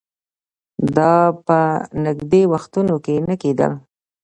دا په نژدې وختونو کې نه کېدل